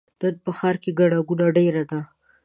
نن په ښار کې ګڼه ګوڼه ډېره ده.